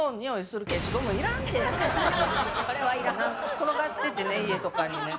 転がっててね、家とかにね。